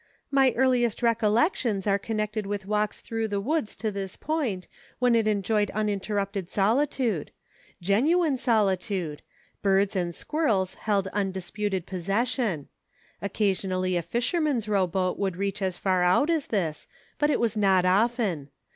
"My earliest recollections are connected with walks through the woods to this point, when it enjoyed uninterrupted solitude. Genuine solitude ; birds EVOLUTION. 245 and squirrels held undisputed possession. Occa sionally a fisherman's row boat would reach as far out as this, but it was not often.